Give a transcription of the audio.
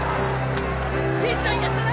吟ちゃんやったな！